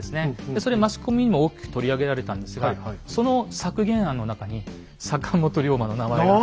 それマスコミにも大きく取り上げられたんですがその削減案の中に坂本龍馬の名前があったんですね。